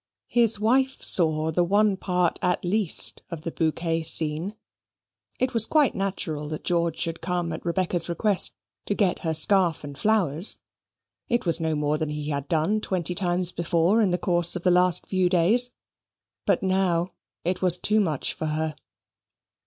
His wife saw the one part at least of the bouquet scene. It was quite natural that George should come at Rebecca's request to get her her scarf and flowers: it was no more than he had done twenty times before in the course of the last few days; but now it was too much for her.